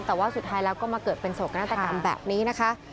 แต่ว่าสุดท้ายแล้วก็มาเกิดเป็นโศกนาฏกรรมแบบนี้นะคะ